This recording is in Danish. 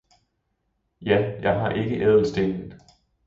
Ja, jeg har ikke ædelstenen!